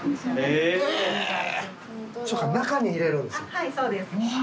はいそうです。